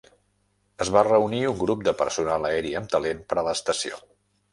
Es va reunir un grup de personal aeri amb talent per a l'estació.